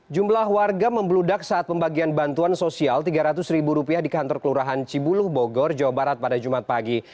jumlah warga membeludak saat pembagian bantuan sosial rp tiga ratus ribu rupiah di kantor kelurahan cibuluh bogor jawa barat pada jumat pagi